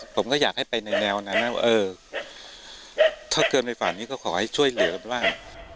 ผมก็อยากให้ไปในแนวนั้นนะว่าเออถ้าเกินไปฝั่งนี้ก็ขอให้ช่วยเหลือกันบ้าง